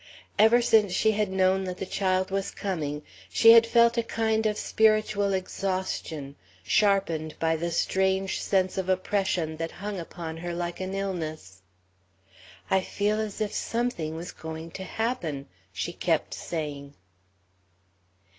Ever since she had known that the child was coming she had felt a kind of spiritual exhaustion, sharpened by the strange sense of oppression that hung upon her like an illness. "I feel as if something was going to happen," she kept saying.